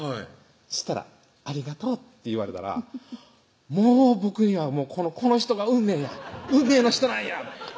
そしたら「ありがとう」って言われたらもう僕にはこの人が運命や運命の人なんや！